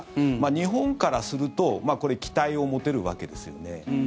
日本からすると期待を持てるわけですね。